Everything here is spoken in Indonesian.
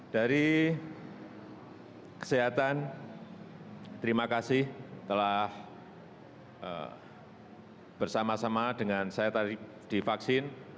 dari kesehatan terima kasih telah bersama sama dengan saya tadi divaksin